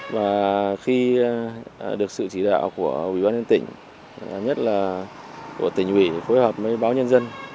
và khi được sự chỉ đạo của ubnd tỉnh nhất là của tỉnh ủy phối hợp với báo nhân dân